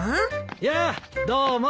やあどうも。